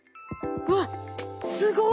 わっすごい！